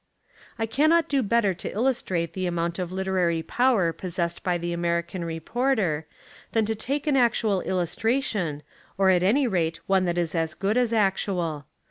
I cannot do better to illustrate the amount of literary power possessed by the American 89 Essays and Literary Studies reporter than to take an actual Illustration or at any rate one that Is as good as actual.